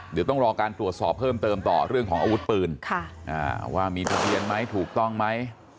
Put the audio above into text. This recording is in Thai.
เดี๋ยวต้องรอการตรวจสอบเพิ่มเติมต่อเรื่องของอาวุธปืนว่ามีทะเบียนไหมถูกต้องไหม